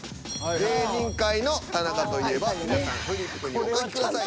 「芸人界の田中」といえば皆さんフリップにお書きください。